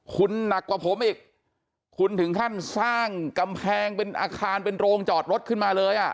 คุณหนักกว่าผมอีกคุณถึงขั้นสร้างกำแพงเป็นอาคารเป็นโรงจอดรถขึ้นมาเลยอ่ะ